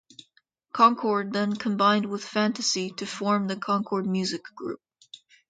Concord then combined with Fantasy to form the Concord Music Group.